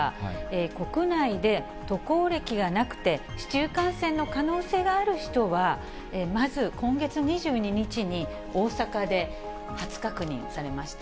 国内で渡航歴がなくて、市中感染の可能性がある人は、まず今月２２日に、大阪で初確認されました。